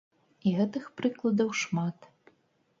І гэтых прыкладаў шмат.